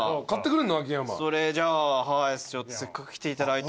それじゃあはいせっかく来ていただいた。